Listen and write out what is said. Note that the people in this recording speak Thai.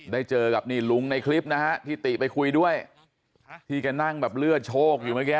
ได้เจอกับนี่ลุงในคลิปนะฮะที่ติไปคุยด้วยที่แกนั่งแบบเลือดโชคอยู่เมื่อกี้